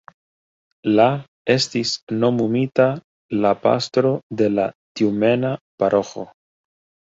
La estis nomumita la pastro de la tjumena paroĥo.